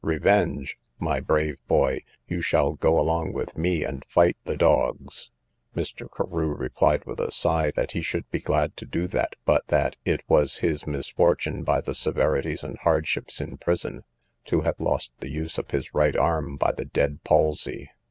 revenge! my brave boy! you shall go along with me, and fight the dogs! Mr. Carew replied with a sigh, that he should be glad to do that, but that, it was his misfortune, by the severities and hardships in prison, to have lost the use of his right arm by the dead palsy.